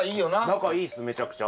仲いいっすめちゃくちゃ。